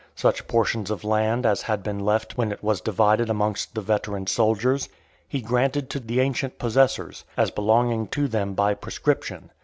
Such portions of land as had been left when it was divided amongst the veteran soldiers, he granted to the ancient possessors, as belonging to then by prescription.